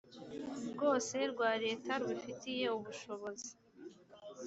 rwose rwa leta rubifitiye ubushobozi